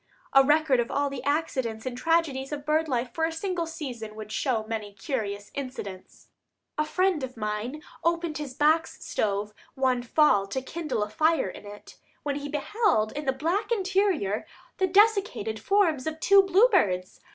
A record of all the accidents and tragedies of bird life for a single season would show many curious incidents. A friend of mine opened his box stove one fall to kindle a fire in it, when he beheld in the black interior the desiccated forms of two bluebirds.